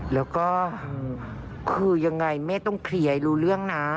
แล้วก็คือยังไงแม่ต้องเคลียร์ให้รู้เรื่องนะ